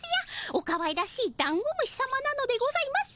おかわいらしいダンゴムシさまなのでございます。